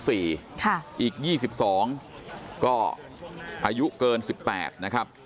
อีก๒๒ก็อายุเกิน๑๘นะครับ